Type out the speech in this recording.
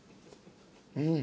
うん！